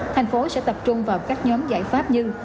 thành phố sẽ tập trung vào các nhóm giải pháp như